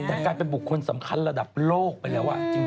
แต่กลายเป็นบุคคลสำคัญระดับโลกไปแล้ว